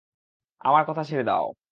আমার কথা ছেড়ে দাও!